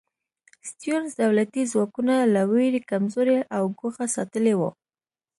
سټیونز دولتي ځواکونه له وېرې کمزوري او ګوښه ساتلي وو.